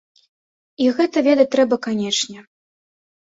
І гэта ведаць трэба канечне.